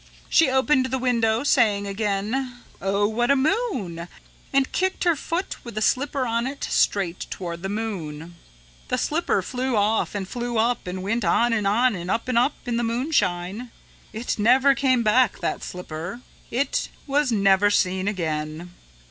"She opened the window, saying again, 'Oh! what a moon!' and kicked her foot with the slipper on it straight toward the moon. "The slipper flew off and flew up and went on and on and up and up in the moonshine. "It never came back, that slipper. It was never seen again.